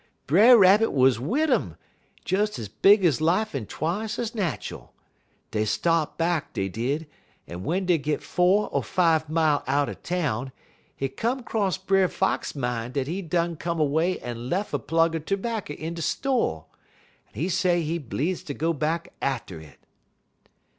"Brer Rabbit wuz wid 'em, des ez big ez life un twice ez natchul. Dey start back, dey did, un w'en dey git four er five mile out er town, hit come 'cross Brer Fox min' dat he done come away un lef' a plug er terbacker in de sto', en he say he bleeze ter go back atter it.